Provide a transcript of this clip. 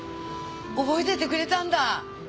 覚えててくれたんだ！